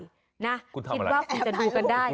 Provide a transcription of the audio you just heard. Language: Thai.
คิดว่าคงจะดูกันได้